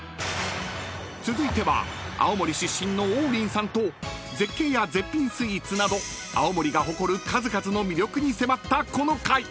［続いては青森出身の王林さんと絶景や絶品スイーツなど青森が誇る数々の魅力に迫ったこの回］